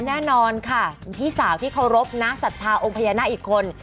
แน่นอนค่ะพี่สาวที่เคารพนะศรัทธาองค์พญานาคอีกคน